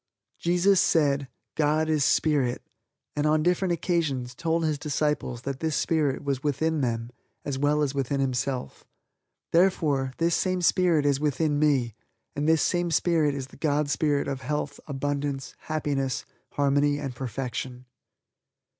Jesus said, "God is Spirit," and on different occasions told His Disciples that this Spirit was within them as well as within Himself. Therefore, this same Spirit is within me and this same Spirit is the God Spirit of health, abundance, happiness, harmony and perfection.